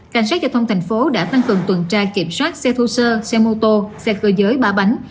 cảnh sát giao thông thành phố đã tăng cường tuần tra kiểm soát xe thô sơ xe mô tô xe cơ giới ba bánh